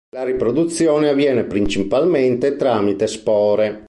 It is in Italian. La riproduzione avviene principalmente tramite spore.